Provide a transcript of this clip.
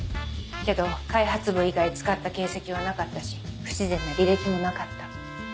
けど開発部以外使った形跡はなかったし不自然な履歴もなかった。